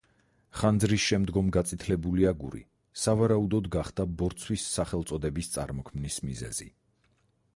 ხანძრის შემდგომ გაწითლებული აგური, სავარაუდოდ, გახდა ბორცვის სახელწოდების წარმოქმნის მიზეზი.